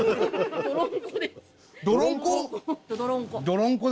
どろんこ。